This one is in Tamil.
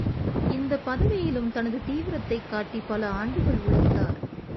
இந்தப் பதவியிலும் தனது தீவிரத்தைக் காட்டி பல ஆண்டுகள் உழைத்தார்.